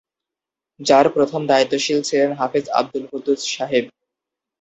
যার প্রথম দায়িত্বশীল ছিলেন হাফেজ আব্দুল কুদ্দুস সাহেব।